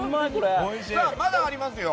まだありますよ。